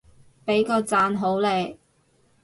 畀個讚好你